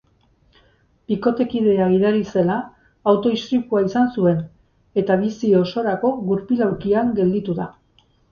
Bikotekidea gidari zela, auto-istripua izan zuen eta bizi osorako gurpil-aulkian gelditu da.